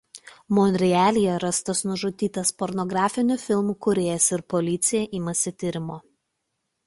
Monrealyje rastas nužudytas pornografinių filmų kūrėjas ir policija imasi tyrimo.